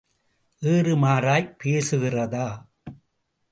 ஏறு மாறாய்ப் பேசுகிறதா?